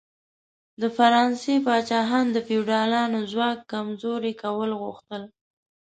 د فرانسې پاچاهان د فیوډالانو ځواک کمزوري کول غوښتل.